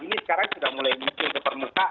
ini sekarang sudah mulai muncul ke permukaan